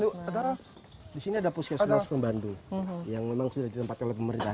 di sini ada puskesmas pembantu yang memang sudah ditempatkan oleh pemerintah